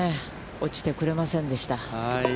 落ちてくれませんでした。